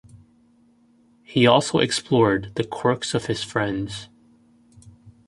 He also explored the quirks of his friends.